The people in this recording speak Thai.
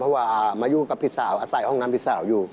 เพราะว่ามาอยู่กับพี่สาวอาศัยห้องน้ำพี่สาวอยู่